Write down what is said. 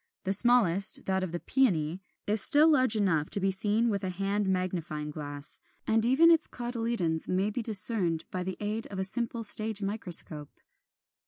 The smallest, that of the Peony, is still large enough to be seen with a hand magnifying glass, and even its cotyledons may be discerned by the aid of a simple stage microscope.